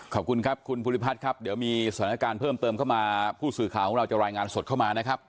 ขอบคุณครับคุณภูริพัฒน์ครับเดี๋ยวมีสถานการณ์เพิ่มเติมเข้ามาผู้สื่อข่าวของเราจะรายงานสดเข้ามานะครับ